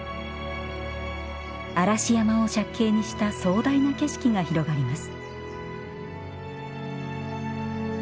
嵐山を借景にした壮大な景色が広がります